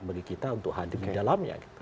bagi kita untuk hadir di dalamnya